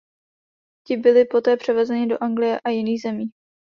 Ti byli poté převezeni do Anglie a jiných zemí.